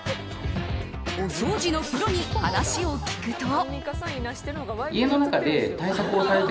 お掃除のプロに話を聞くと。